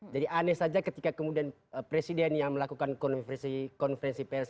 jadi aneh saja ketika kemudian presiden yang melakukan konferensi pers